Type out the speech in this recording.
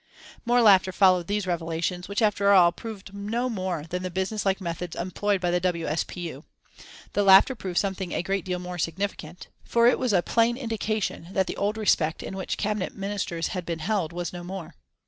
More laughter followed these revelations, which after all proved no more than the business like methods employed by the W. S. P. U. The laughter proved something a great deal more significant, for it was a plain indication that the old respect in which Cabinet Ministers had been held was no more.